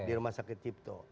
di rumah sakit cipto